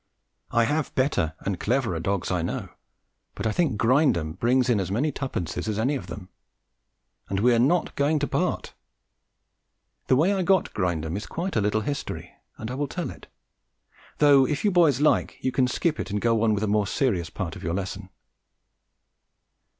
I have better and cleverer dogs, I know; but I think Grindum brings in as many twopences as any of them, and we are not going to part! The way I got Grindum is quite a little history, and I will tell it, though if you boys like, you can skip it and go on with a more serious part of your lesson.